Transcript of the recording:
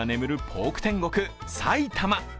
ポーク天国埼玉。